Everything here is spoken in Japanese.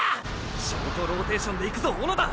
ショートローテーションで行くぞ小野田！